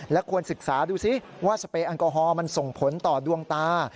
ควรศึกษาดูซิว่าสเปรแอลกอฮอลมันส่งผลต่อดวงตา